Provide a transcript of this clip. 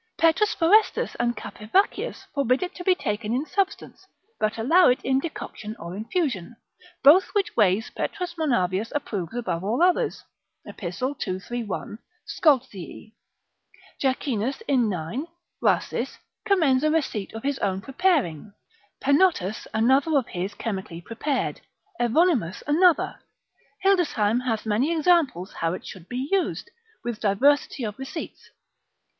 P. Forestus and Capivaccius forbid it to be taken in substance, but allow it in decoction or infusion, both which ways P. Monavius approves above all others, Epist. 231. Scoltzii, Jacchinus in 9. Rhasis, commends a receipt of his own preparing; Penottus another of his chemically prepared, Evonimus another. Hildesheim spicel. 2. de mel. hath many examples how it should be used, with diversity of receipts.